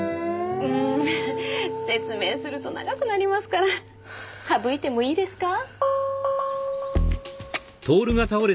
うん。説明すると長くなりますから省いてもいいですか？